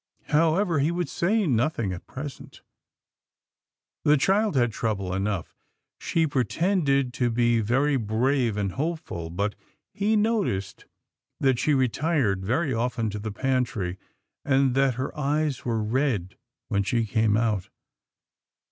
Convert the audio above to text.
How ever he would say nothing at present. The child had trouble enough. She pretended to be very brave and hopeful, but he noticed that she retired very often to the pantry, and that her eyes were red when she came out.